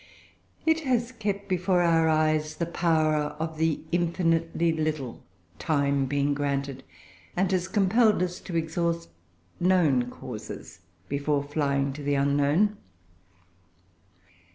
It has kept before our eyes the power of the infinitely little, time being granted, and has compelled us to exhaust known causes, before flying to the unknown.